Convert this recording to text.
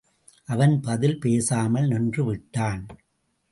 அவன் பதில் பேசாமல் நின்றுவிட்டான்.